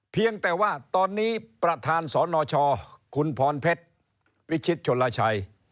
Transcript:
เพียงแต่ว่าตอนนี้ประธานสนชคุณพรเพชรวิชิตชนลชัย